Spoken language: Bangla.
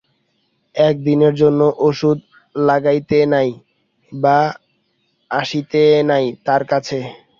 একদিনের জন্য ওষুধ লাগাইতে নাই বা আসিতে নাই তার কাছে?